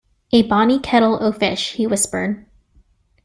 "A bonny kettle o' fish," he whispered.